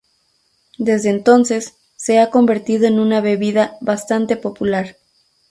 Desde entonces, se ha convertido en una bebida bastante popular.